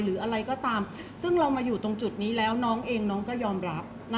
เพราะว่าสิ่งเหล่านี้มันเป็นสิ่งที่ไม่มีพยาน